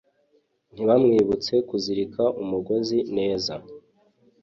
ntibamwibutse kuzirika umugozi neza.